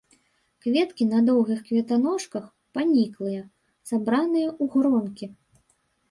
Кветкі на доўгіх кветаножках, паніклыя, сабраныя ў гронкі.